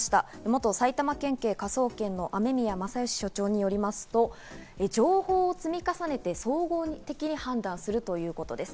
元埼玉県警科捜研の雨宮正欣所長によりますと、情報を積み重ねて、総合的に判断するということです。